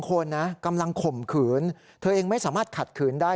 คนนะกำลังข่มขืนเธอเองไม่สามารถขัดขืนได้